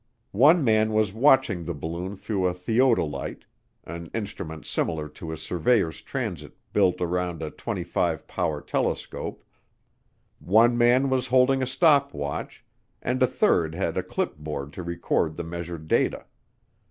One man was watching the balloon through a theodolite, an instrument similar to a surveyor's transit built around a 25 power telescope, one man was holding a stop watch, and a third had a clipboard to record the measured data.